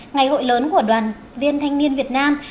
ngày hội lớn của đoàn viên thanh niên việt nam